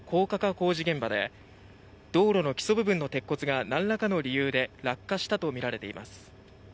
工事現場で道路の基礎部分の鉄骨がなんらかの理由で落下したとみられています。